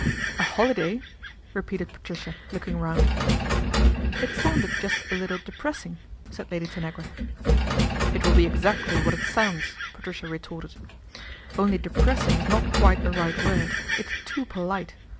" A holiday !" repeated Patricia, looking round. " It sounded just a little depressing," said Lady Tanagra. " It will be exactly what it sounds," Patricia retorted ;" only depressing is not quite the right word, it's too polite.